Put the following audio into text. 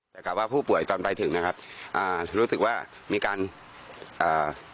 แต่กลับว่าผู้ป่วยตอนไปถึงนะครับอ่ารู้สึกว่ามีการอ่า